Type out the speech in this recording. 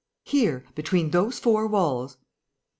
"Here, between those four walls."